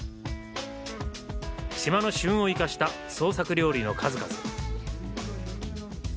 島の旬を生かした創作料理の数々。